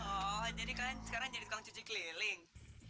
oh jadi kan sekarang jadi tukang cuci keliling